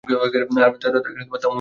তাও মনে হচ্ছে না।